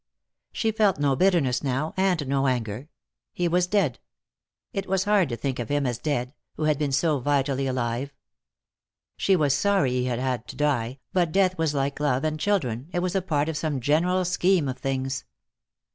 She felt no bitterness now, and no anger. He was dead. It was hard to think of him as dead, who had been so vitally alive. She was sorry he had had to die, but death was like love and children, it was a part of some general scheme of things.